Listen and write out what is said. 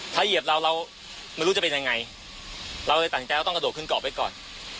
ถ้าเหยียบเราเราไม่รู้จะเป็นยังไงเราต้องกระโดดขึ้นกรอบไปก่อน